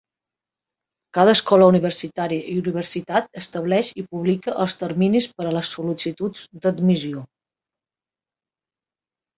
Cada escola universitària o universitat estableix i publica els terminis per a les sol.licituds d'admissió.